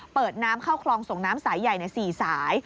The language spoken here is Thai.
เปิดน้ำเข้าคลองส่งน้ำสายใหญ่ใน๔สาย